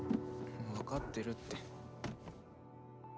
わかってるって。